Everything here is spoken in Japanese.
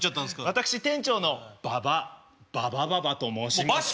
私店長のババババババと申します。